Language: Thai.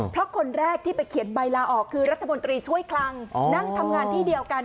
เพราะคนแรกที่ไปเขียนใบลาออกคือรัฐมนตรีช่วยคลังนั่งทำงานที่เดียวกัน